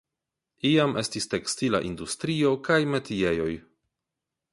Iam estis tekstila industrio kaj metiejoj.